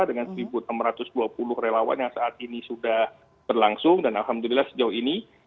dengan satu enam ratus dua puluh relawan yang saat ini sudah berlangsung dan alhamdulillah sejauh ini